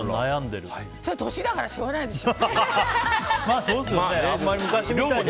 そりゃ年だからしょうがないでしょ。